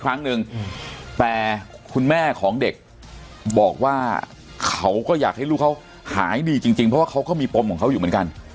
ครั้งนึงแต่คุณแม่ของเด็กบอกว่าเขาก็อยากให้ลูกเขาหายดีจริงเพราะว่าเขาก็มีปมของเขาอยู่เหมือนกัน